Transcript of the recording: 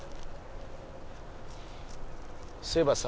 そういえばさ。